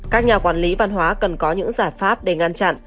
các nhà quản lý văn hóa cần có những giải pháp để ngăn chặn